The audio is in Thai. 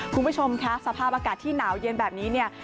คุณผู้ชมสภาพอากาศที่หนาวเย็นแบบนี้